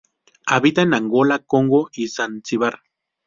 Habita en Angola, Congo y Zanzibar.